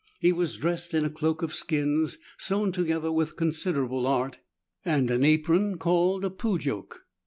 He was dressed in a cloak of skins, sewn together with considerable art, and an apron called a "pujoke."